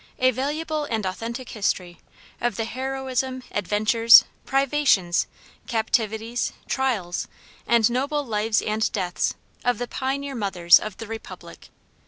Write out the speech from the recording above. A Valuable and Authentic History OF THE HEROISM, ADVENTURES, PRIVATIONS, CAPTIVITIES, TRIALS, AND NOBLE LIVES AND DEATHS OF THE "PIONEER MOTHERS OF THE REPUBLIC."